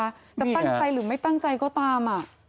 จะตั้งใจหรือไม่ตั้งใจก็ตาม